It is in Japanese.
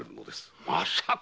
まさか！